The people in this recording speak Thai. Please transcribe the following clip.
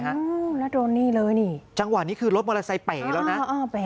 อ้าวแล้วโดนนี่เลยนี่จังหวะนี้คือรถมอเตอร์ไซค์เป๋แล้วนะ